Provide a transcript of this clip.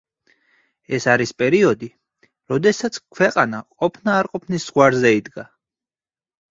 ეს არის პერიოდი, როდესაც ქვეყანა ყოფნა-არყოფნის ზღვარზე იდგა.